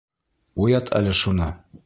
Уят әле шуны.